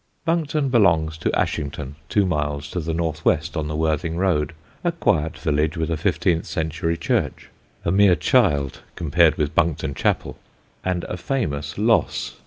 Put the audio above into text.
Buncton belongs to Ashington, two miles to the north west on the Worthing road, a quiet village with a fifteenth century church (a mere child compared with Buncton Chapel) and a famous loss.